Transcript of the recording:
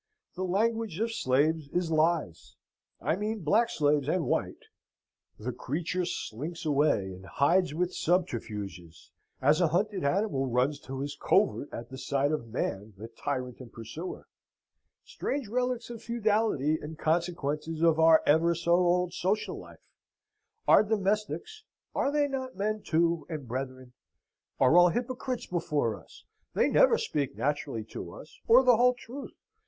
The language of slaves is lies (I mean black slaves and white). The creature slinks away and hides with subterfuges, as a hunted animal runs to his covert at the sight of man, the tyrant and pursuer. Strange relics of feudality, and consequence of our ever so old social life! Our domestics (are they not men, too, and brethren?) are all hypocrites before us. They never speak naturally to us, or the whole truth.